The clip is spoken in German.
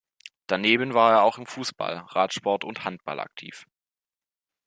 Daneben war er auch im Fußball, Radsport und Handball aktiv.